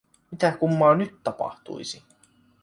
Mitä kummaa nyt tapahtuisi?